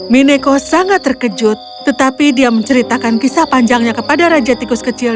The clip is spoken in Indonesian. mineko sangat terkejut tetapi dia menceritakan kisah panjangnya kepada raja tikus kecil